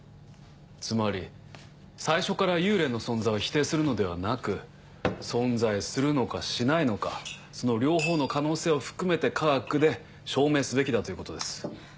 つまり最初から幽霊の存在を否定するのではなく存在するのかしないのかその両方の可能性を含めて科学で証明すべきだということです。